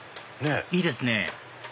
いいですね